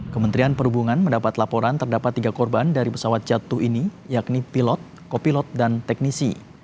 kementerian perhubungan mendapat laporan terdapat tiga korban dari pesawat jatuh ini yakni pilot kopilot dan teknisi